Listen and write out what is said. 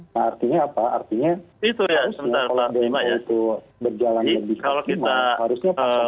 nah artinya apa artinya harusnya kalau ada yang berjalan lebih ke lima harusnya pak fadil